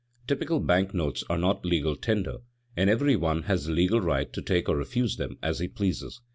_ Typical bank notes are not legal tender, and every one has the legal right to take or refuse them as he pleases.